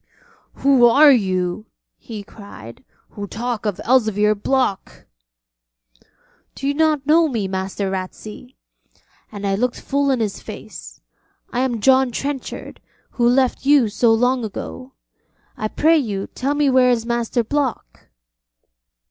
'Who are you?' he cried, 'who talk of Elzevir Block.' 'Do you not know me, Master Ratsey?' and I looked full in his face. 'I am John Trenchard, who left you so long ago. I pray you tell me where is Master Block?'